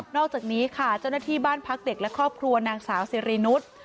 อกจากนี้ค่ะเจ้าหน้าที่บ้านพักเด็กและครอบครัวนางสาวสิรินุษย์